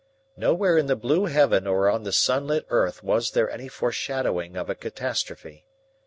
Nowhere in the blue heaven or on the sunlit earth was there any foreshadowing of a catastrophe.